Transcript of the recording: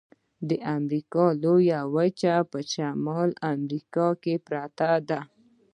د امریکا لویه وچه په شمالي امریکا کې پرته ده.